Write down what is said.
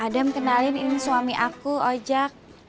adam kenalin ini suami aku ojek